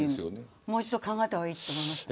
もう一度考えた方がいいと思います。